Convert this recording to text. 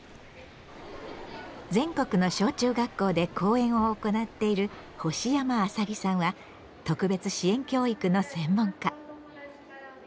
全国の小中学校で講演を行っている星山麻木さんは特別支援教育の専門家。